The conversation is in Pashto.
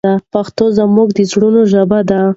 پښتو زموږ د زړونو ژبه ده.